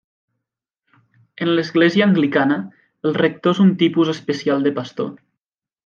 En l'Església Anglicana, el rector és un tipus especial de pastor.